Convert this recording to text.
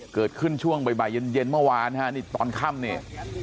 เกิดขึ้นช่วงบ่ายเย็นเมื่อวานฮะนี่ตอนค่ำเนี่ย